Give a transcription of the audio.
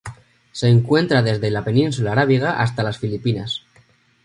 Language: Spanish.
Se encuentra desde la Península Arábiga hasta las Filipinas.